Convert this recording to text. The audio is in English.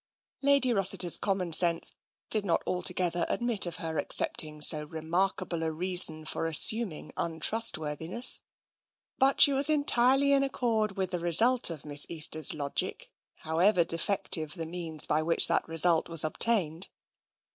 Lady Rossiter's common sense did not altogether admit of her accepting so remarkable a reason for as suming untrustworthiness, but she was entirely in ac cord with the result of Miss Easter's logic, however de fective the means by which that result was obtained.